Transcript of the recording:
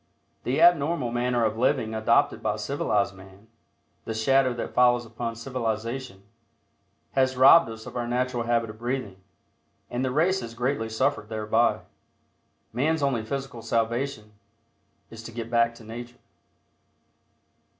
The abnormal manner of living adopted by civilized man the shadow that follows upon civilization has robbed us of our natural habit of breathing, and the race has greatly suffered thereby. Man's only physical salvation is to "get back to Nature."